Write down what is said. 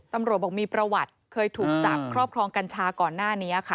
ตำรวจบอกมีประวัติเคยถูกจับครอบครองกัญชาก่อนหน้านี้ค่ะ